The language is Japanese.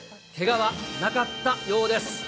けがはなかったようです。